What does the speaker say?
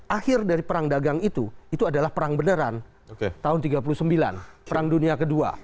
akhir dari perang dagang itu itu adalah perang beneran tahun tiga puluh sembilan perang dunia ke dua